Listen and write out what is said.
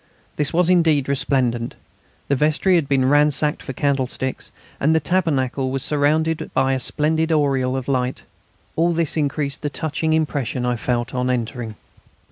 This was indeed resplendent. The vestry had been ransacked for candlesticks, and the tabernacle was surrounded by a splendid aureole of light. All this increased the touching impression I felt on entering.